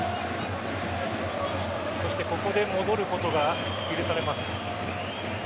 そしてここで戻ることが許されます。